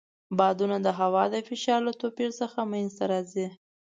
بادونه د هوا د فشار له توپیر څخه منځته راځي.